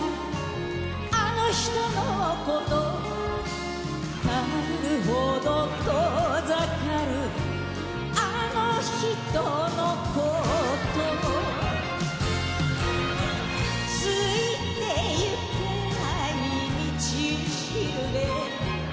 あの人のこと手繰るほど遠ざかるあの人のことついてゆけない道しるべ